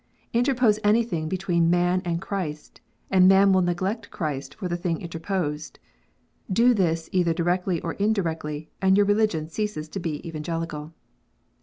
Interpose anything between man and Christ, and man will neglect Christ for the thing interposed ! Do this, either directly or indirectly, and your religion ceases to be Evangelical.